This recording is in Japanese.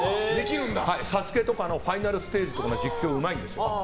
「ＳＡＳＵＫＥ」とかのファイナルステージとかの実況うまいんです。